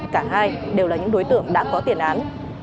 cả hai đều là những đối tượng đã có tiền án